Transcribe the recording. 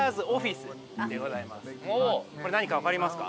これ何か分かりますか。